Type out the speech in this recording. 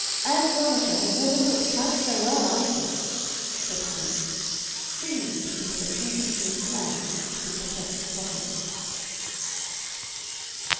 "Ann Veronica has never looked quite so well, I think," said Capes, clinging, because of a preconceived plan, to the suppressed topic.